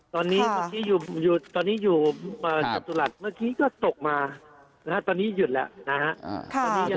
ตอนนี้อยู่จัดตุรัสเมื่อกี้ก็ตกมาตอนนี้หยุดแล้วนะฮะ